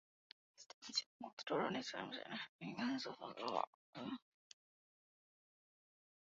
He established a small store on his farmstead, supplying the needs of local farmers.